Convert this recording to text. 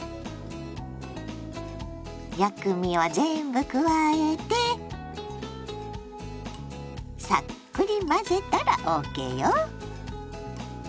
薬味を全部加えてさっくり混ぜたらＯＫよ！